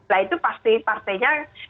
nah itu pasti partainya